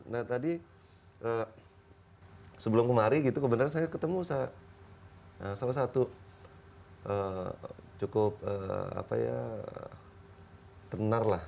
nah tadi sebelum kemarin gitu kebenaran saya ketemu saya salah satu cukup apa ya tenar lah